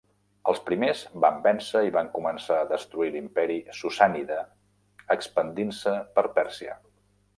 Els primers van vèncer i van començar a destruir l'Imperi Sassànida expandint-se per Pèrsia.